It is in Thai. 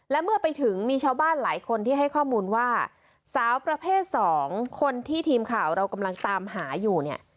และเมื่อไปถึงมีชาวบ้านหลายคนที่ให้ข้อมูลว่าสาวประเภทสองคนที่ทีมข่าวเรากำลังตามหาอยู่เนี่ย